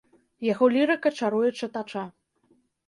Яго лірыка чаруе чытача.